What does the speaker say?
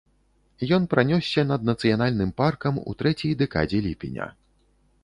Ён пранёсся над нацыянальным паркам у трэцяй дэкадзе ліпеня.